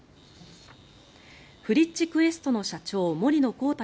フリッチクエストの社長森野広太